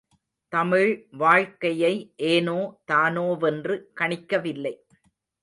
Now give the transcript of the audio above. தமிழ் வாழ்க்கையை ஏனோ தானோவென்று கணிக்கவில்லை.